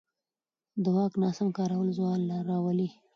د واک ناسم کارول زوال راولي